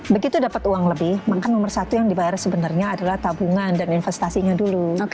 begitu dapat uang lebih maka nomor satu yang dibayar sebenarnya adalah tabungan dan investasinya dulu